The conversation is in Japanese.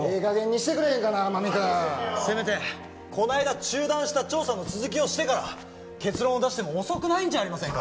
してくれへんかな天海君せめてこないだ中断した調査の続きをしてから結論を出しても遅くないんじゃありませんか？